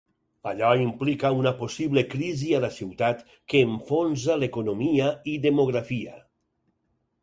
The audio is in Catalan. Allò implica una possible crisi a la ciutat que enfonsa l'economia i demografia.